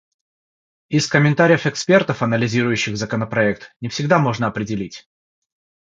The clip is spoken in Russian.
Из комментариев экспертов, анализирующих законопроект, не всегда можно определить